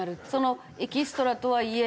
エキストラとはいえ